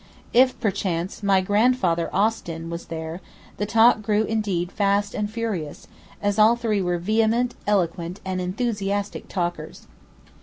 If, perchance, my grandfather Austin was there, the talk grew indeed fast and furious, as all three were vehement, eloquent, and enthusiastic talkers.